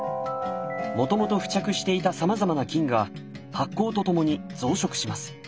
もともと付着していたさまざまな菌が発酵とともに増殖します。